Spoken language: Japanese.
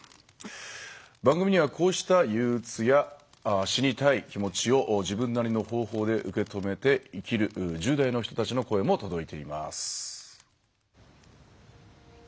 番組にはこうしたゆううつや死にたい気持ちを自分なりの方法で受け止めて生きる１０代の人たちの声も届いています。